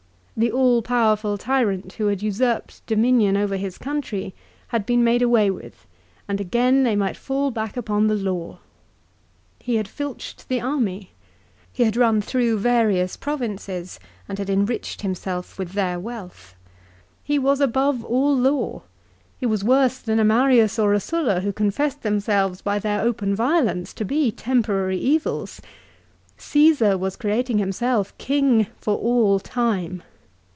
The all powerful tyrant who had usurped dominion over his country, had been made away with, and again they might fall back upon the law. He had filched the army. He had run through various provinces and had enriched himself with their wealth. He was above all law. He was worse than a Marius or a Sulla who confessed themselves, by their open violence, to be temporary evils. Csesar was creating himself king for all time.